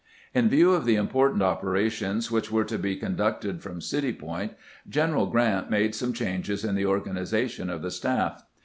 In view of the important operations which were to be conducted from City Point, General Grant made some changes in the organization of the staff.